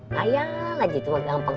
nah iya lah itu mah gampang